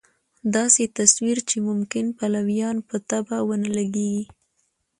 داسې تصویر چې ممکن پلویانو په طبع ونه لګېږي.